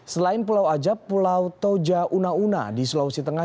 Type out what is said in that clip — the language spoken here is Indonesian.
selain pulau ajab pulau toja una una di sulawesi tengah